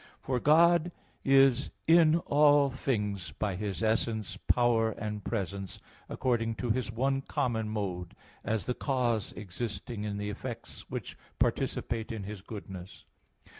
For God is in all things by His essence, power and presence, according to His one common mode, as the cause existing in the effects which participate in His goodness.